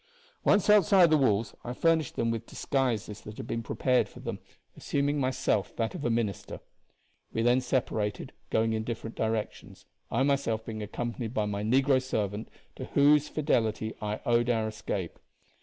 Once outside the walls, I furnished them with disguises that had been prepared for them, assuming myself that of a minister. We then separated, going in different directions, I myself being accompanied by my negro servant, to whose fidelity I owed our escape.